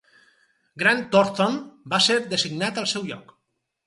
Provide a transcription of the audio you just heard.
Grant Thornton va ser designat al seu lloc.